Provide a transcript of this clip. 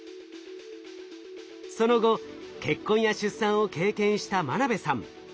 その後結婚や出産を経験した眞鍋さん。